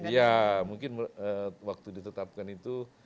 ya mungkin waktu ditetapkan itu